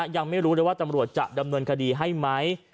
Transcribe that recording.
ยังไม่รู้เลยว่าตำรวจจะดำเนินคดีให้ไหม